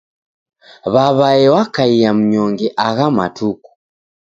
W'aw'ae wakaia mnyonge agha matuku.